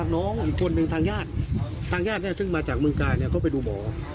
น้องคนหนึ่งทางญาติทางญาติเนี่ยซึ่งมาจากเมืองกายเนี่ยเขาไปดูหมอ